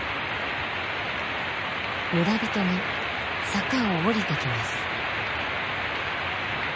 村人が坂を下りてきます。